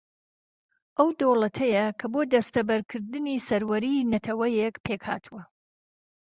ئەو دەوڵەتەیە کە بۆ دەستەبەرکردنی سەروەریی نەتەوەیەک پێک ھاتووە